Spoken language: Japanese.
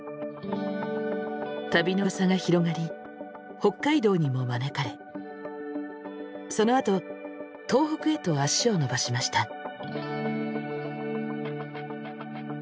旅のうわさが広がり北海道にも招かれそのあと東北へと足をのばしました。